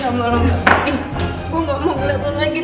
gue gak mau dateng lagi jangan pernah dateng kesini lagi